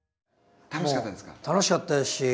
楽しかったですか？